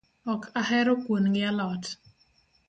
Ok ahero kuon gi alot